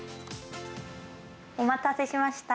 お待たせしました。